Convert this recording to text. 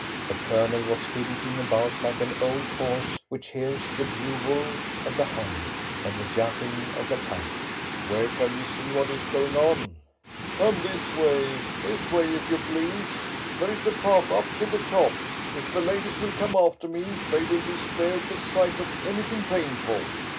The Colonel was fidgeting about like an old horse which hears the bugle of the hunt and the yapping of the pack. "Where can we see what is going on?" "Come this way! This way, if you please! There is a path up to the top. If the ladies will come after me, they will be spared the sight of anything painful."